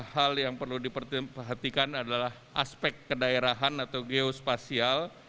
hal yang perlu diperhatikan adalah aspek kedaerahan atau geospasial